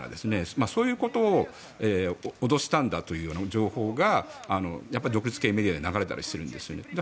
そう脅したんだという情報が独立系メディアで流れたりしているんですよね。